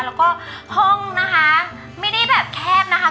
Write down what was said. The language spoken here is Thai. แล้วก็ห้องนะคะไม่ได้แบบแคบนะคะ